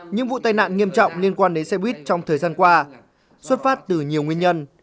những vụ tai nạn nghiêm trọng liên quan đến xe buýt trong thời gian qua xuất phát từ nhiều nguyên nhân